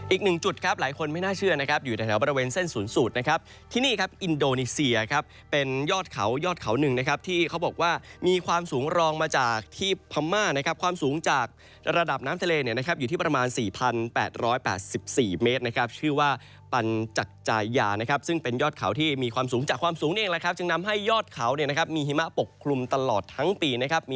อีกหนึ่งจุดครับหลายคนไม่น่าเชื่อนะครับอยู่แถวบริเวณเส้นสูญสูตรนะครับที่นี่ครับอินโดนิสเซียครับเป็นยอดเขายอดเขาหนึ่งนะครับที่เขาบอกว่ามีความสูงรองมาจากที่พัมมานะครับความสูงจากระดับน้ำทะเลเนี่ยนะครับอยู่ที่ประมาณ๔๘๘๔เมตรนะครับชื่อว่าปันจักจายานะครับซึ่งเป็นยอดเขาที่มีความสูงจากความ